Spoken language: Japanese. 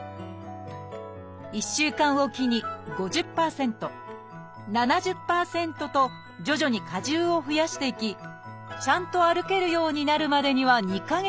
１週間置きに５０％７０％と徐々に荷重を増やしていきちゃんと歩けるようになるまでには２か月かかります。